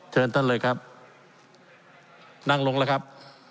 เชิญท่านเลยครับนั่งลงแล้วครับ